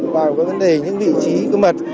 và có vấn đề những vị trí cơ mật